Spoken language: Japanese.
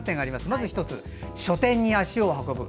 まず書店に足を運ぶ。